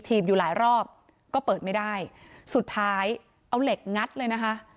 อยู่หลายรอบก็เปิดไม่ได้สุดท้ายเอาเหล็กงัดเลยนะคะ